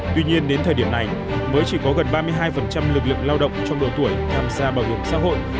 tuy nhiên đến thời điểm này mới chỉ có gần ba mươi hai lực lượng lao động trong độ tuổi tham gia bảo hiểm xã hội